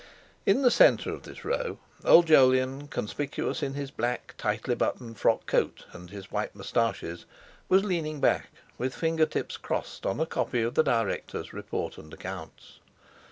In the centre of this row old Jolyon, conspicuous in his black, tightly buttoned frock coat and his white moustaches, was leaning back with finger tips crossed on a copy of the Directors' report and accounts.